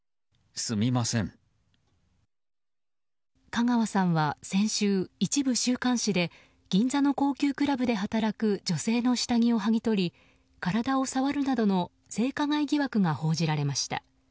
香川さんは先週、一部週刊誌で銀座の高級クラブで働く女性の下着をはぎ取り体を触るなどの性加害疑惑が報じられました。